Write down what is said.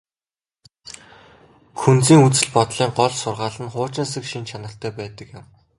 Күнзийн үзэл бодлын гол сургаал нь хуучинсаг шинж чанартай байдаг юм.